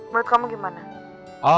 menurut kamu gimana